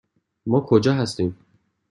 ما کجا هستیم؟